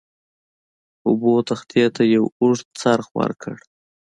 اوبو تختې ته یو اوږد څرخ ورکړ.